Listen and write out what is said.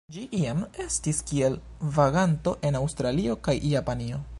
Ĝi iam estis kiel vaganto en Aŭstralio kaj Japanio.